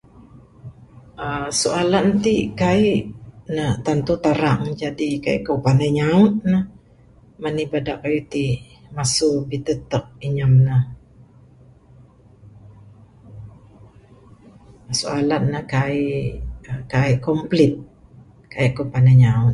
aaa soalan ti kaik ne tantu tarang, jadi kaik ku panai nyaut ne, manih bada kayuh ti masu bitetek inyam ne. Soalan ne kaik aaa kaik complete, kaik ku panai nyaut.